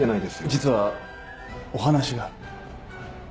実はお話が。